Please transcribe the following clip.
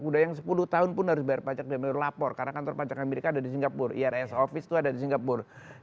budaya yang sepuluh tahun pun harus bayar pajak dan lapor karena kantor pajak amerika ada di singapura irs office itu ada di singapura